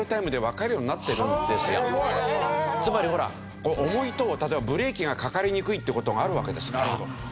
つまりほら重いと例えばブレーキがかかりにくいって事があるわけですから。